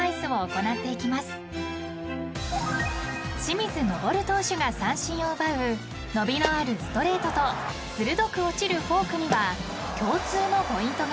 ［清水昇投手が三振を奪う伸びのあるストレートと鋭く落ちるフォークには共通のポイントがあります］